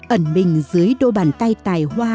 ẩn mình dưới đôi bàn tay tài hoa